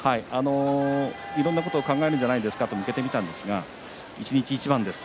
いろんなことを考えるんじゃないですか？と向けてみたんですが一日一番です。